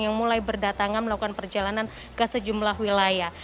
yang mulai berdatangan melakukan perjalanan ke sejumlah wilayah